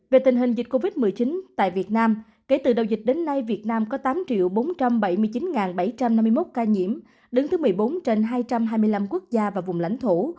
về tình hình dịch covid một mươi chín tại việt nam kể từ đầu dịch đến nay việt nam có tám bốn trăm bảy mươi chín bảy trăm năm mươi một ca nhiễm đứng thứ một mươi bốn trên hai trăm hai mươi năm quốc gia và vùng lãnh thổ